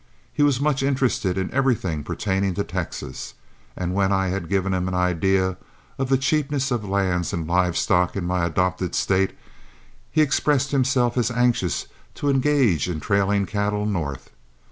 He was much interested in everything pertaining to Texas; and when I had given him an idea of the cheapness of lands and live stock in my adopted State, he expressed himself as anxious to engage in trailing cattle north.